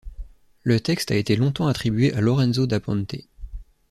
Le texte a été longtemps attribué à Lorenzo da Ponte.